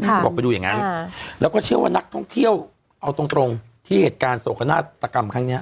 เขาบอกไปดูอย่างนั้นแล้วก็เชื่อว่านักท่องเที่ยวเอาตรงตรงที่เหตุการณ์โศกนาฏกรรมครั้งนี้